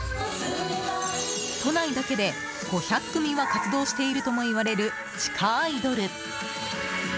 都内だけで、５００組は活動しているともいわれる地下アイドル。